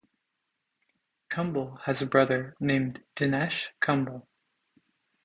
Kumble has a brother named Dinesh Kumble.